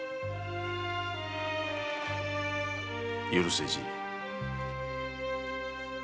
許せじい。